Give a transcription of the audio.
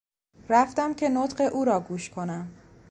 رفتم که نطق او را گوش کنم.